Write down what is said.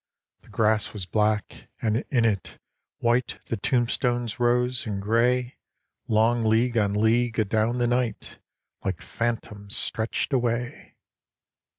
The grass was black, and in it, white The tombstones rose; and gray, Long league on league, adown the night, Like phantoms, stretched away.